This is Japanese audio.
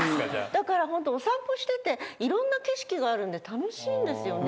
だからホントお散歩してて色んな景色があるんで楽しいんですよね。